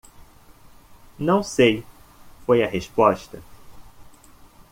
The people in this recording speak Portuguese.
"Não sei?" foi a resposta.